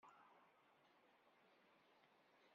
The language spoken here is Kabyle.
Ad asent-tt-tekkes?